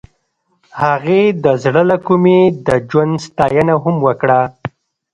هغې د زړه له کومې د ژوند ستاینه هم وکړه.